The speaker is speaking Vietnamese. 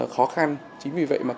khó khăn chính vì vậy mà